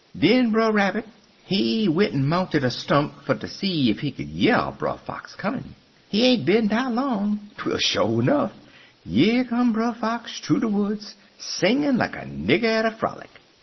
Den Brer Rabbit, he went'n mounted a stump fer ter see ef he could year Brer Fox comin'. He ain't bin dar long, twel sho' enuff, yer come Brer Fox thoo de woods, singing like a nigger at a frolic.